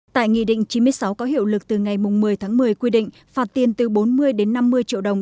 tại nghị định chín mươi sáu có hiệu lực từ ngày một mươi tháng một mươi quy định phạt tiền từ bốn mươi đến năm mươi triệu đồng